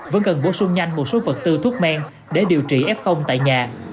vẫn cần bổ sung nhanh một số vật tư thuốc men để điều trị f tại nhà